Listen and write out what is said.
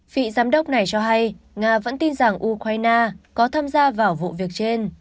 vị giám đốc này cho hay nga vẫn tin rằng ukraine có tham gia vào vụ việc trên